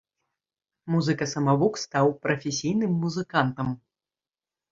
Музыка-самавук стаў прафесійным музыкантам.